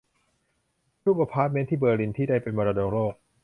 รูปอพาร์ตเมนต์ที่เบอร์ลิน ที่ได้เป็นมรดกโลก